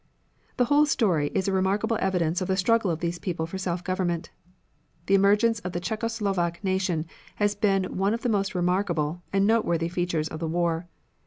The whole story is a remarkable evidence of the struggle of these little people for self government. The emergence of the Czecho Slovak nation has been one of the most remarkable and noteworthy features of the war.